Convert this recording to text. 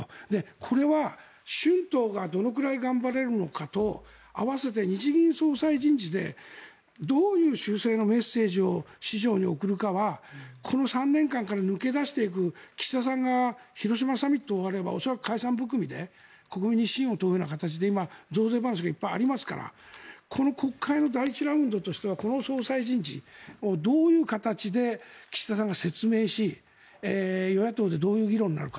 これは春闘がどのくらい頑張れるのかと合わせて日銀総裁人事でどういう修正のメッセージを市場に送るかはこの３年間から抜け出していく岸田さんが広島サミット終われば恐らく解散含みで国民に信を問うような形で今増税話がいっぱいありますからこの国会の第１ラウンドとしてはこの総裁人事をどういう形で岸田さんが説明し与野党でどういう議論になるか。